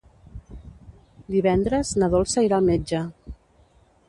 Divendres na Dolça irà al metge.